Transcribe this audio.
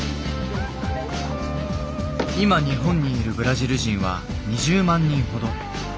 今日本にいるブラジル人は２０万人ほど。